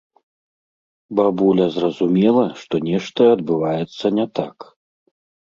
Бабуля зразумела, што нешта адбываецца не так.